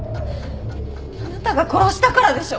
あなたが殺したからでしょ！？